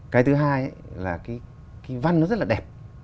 cái thứ hai là cái văn nó rất là đẹp